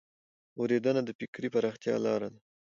اورېدنه د فکري پراختیا لار ده